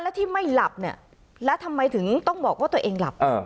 แล้วที่ไม่หลับเนี่ยแล้วทำไมถึงต้องบอกว่าตัวเองหลับ